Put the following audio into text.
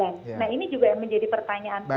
nah ini juga yang menjadi pertanyaan publik